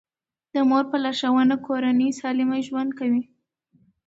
د مور په لارښوونه کورنۍ سالم ژوند کوي.